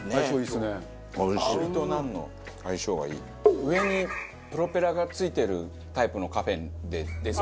上にプロペラが付いてるタイプのカフェで出そう。